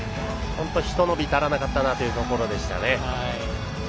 ひと伸び、足りなかったなというところですね。